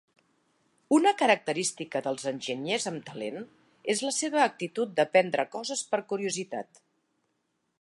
Una característica dels enginyers amb talent és la seva actitud d'aprendre coses per curiositat.